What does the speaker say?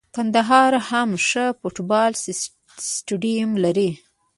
کندهار هم ښه فوټبال سټیډیم لري.